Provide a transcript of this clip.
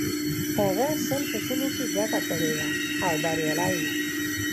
هغه سل په سلو کې ګټه کړې وه او بریالی و